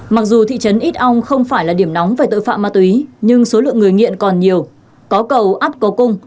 mặc dù thị trấn ít âu không phải là điểm nóng về tội phạm ma túy nhưng số lượng người nghiện còn nhiều